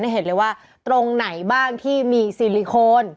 เห็นเลยว่าตรงไหนบ้างที่มีซิลิโคน